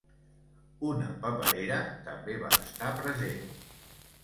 Una paperera també va estar present.